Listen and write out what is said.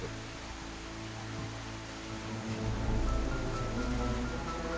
terima kasih juga pak